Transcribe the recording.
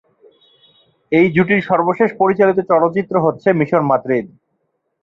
এই জুটির সর্বশেষ পরিচালিত চলচ্চিত্র হচ্ছে "মিশন মাদ্রিদ"।